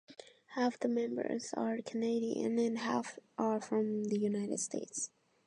Half the members are Canadian and half are from the United States.